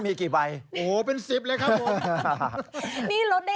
มันมีค่าค่ะโอ้โฮเป็นสิบเลยครับผมที่มีกี่ใบ